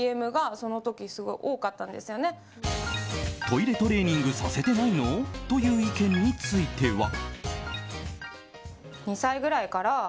トイレトレーニングさせてないの？という意見については。